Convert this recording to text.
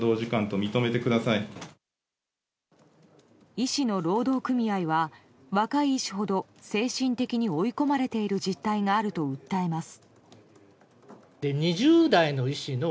医師の労働組合は若い医師ほど精神的に追い込まれている実態があると訴えています。